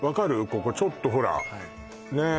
ここちょっとほらねっ